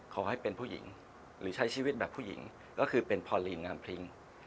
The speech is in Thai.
ขอให้เป็นผู้หญิงหรือใช้ชีวิตแบบผู้หญิงก็คือเป็นพอลีนงานพริ้ง